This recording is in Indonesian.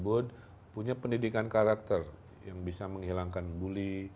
jadi kita punya pendidikan karakter yang bisa menghilangkan bully